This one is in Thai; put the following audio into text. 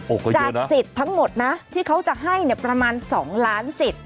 โอเคเยอะนะจากสิทธิ์ทั้งหมดนะที่เขาจะให้เนี่ยประมาณสองล้านสิทธิ์